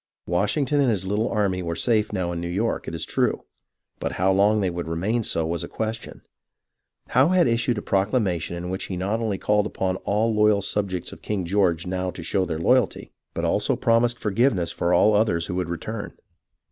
Washington and his little army were safe now in New York, it is true, but how long they would remain so was a question. Howe had issued a proclamation in which he not only called upon all loyal subjects of King George now to show their loyalty, but also promised forgiveness for all others who would return.